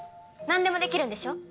なんでもできるんでしょ？